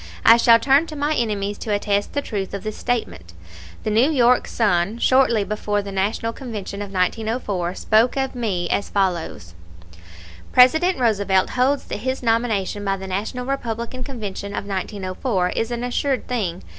I shall turn to my enemies to attest the truth of this statement. The New York Sun, shortly before the National Convention of 1904, spoke of me as follows: "President Roosevelt holds that his nomination by the National Republican Convention of 1904 is an assured thing.